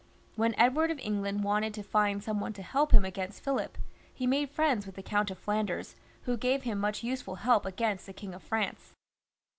When Edward of England wanted to find some one to help him against Philip, he made friends with the Count of Flanders, who gave him much useful help against the King of France.